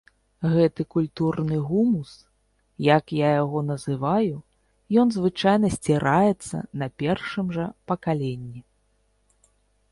Гэты культурны гумус, як я яго называю, ён звычайна сціраецца на першым жа пакаленні.